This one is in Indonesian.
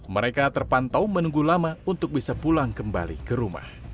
mereka terpantau menunggu lama untuk bisa pulang kembali ke rumah